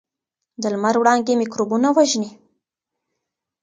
د لمر وړانګې میکروبونه وژني.